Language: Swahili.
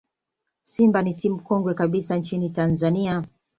simba ni timu kongwe kabisa nchini tanzania